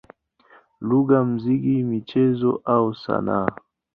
lugha, muziki, michezo au sanaa.